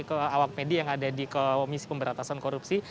ke awak media yang ada di komisi pemberantasan korupsi